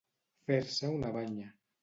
Fer-se una banya.